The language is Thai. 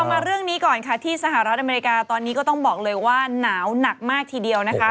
มาเรื่องนี้ก่อนค่ะที่สหรัฐอเมริกาตอนนี้ก็ต้องบอกเลยว่าหนาวหนักมากทีเดียวนะคะ